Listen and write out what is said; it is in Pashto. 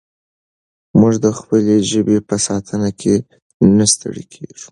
موږ د خپلې ژبې په ساتنه کې نه ستړي کېږو.